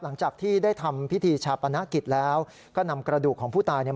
ญาติยาติก็บอกกับผู้สิทธิ์ข่าวว่าลงใจที่ตำรวจจับคนร้ายได้แล้ว